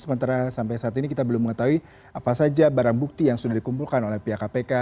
sementara sampai saat ini kita belum mengetahui apa saja barang bukti yang sudah dikumpulkan oleh pihak kpk